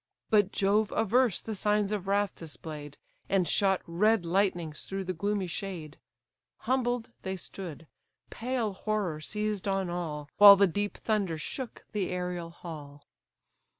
But Jove averse the signs of wrath display'd, And shot red lightnings through the gloomy shade: Humbled they stood; pale horror seized on all, While the deep thunder shook the aerial hall.